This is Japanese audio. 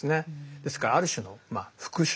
ですからある種のまあ復讐。